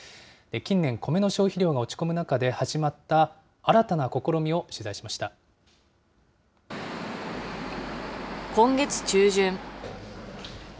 近年、米の消費量が落ち込む中で始まった新たな試みを取材しまし今月中旬。